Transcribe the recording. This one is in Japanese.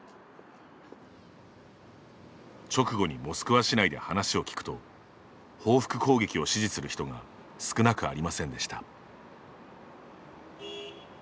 直後にモスクワ市内で話を聞くと報復攻撃を支持する人が少なくありませんでした。